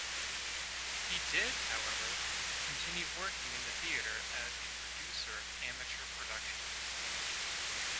He did, however, continue working in the theatre as a producer of amateur productions.